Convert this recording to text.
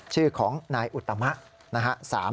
ชื่อของนายอุตมะ